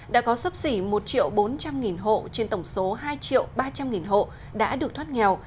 đã có sấp xỉ một bốn trăm linh hộ trên tổng số hai ba trăm linh hộ đã được thoát nghèo